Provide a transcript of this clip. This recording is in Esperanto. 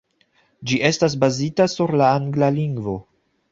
Ĝi estas bazita sur la angla lingvo.